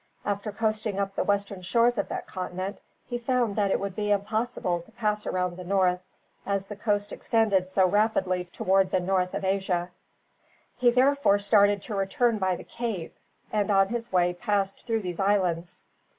After coasting up the western shores of that continent, he found that it would be impossible to pass round the north, as the coast extended so rapidly toward the north of Asia. He therefore started to return by the Cape, and on his way passed through these islands.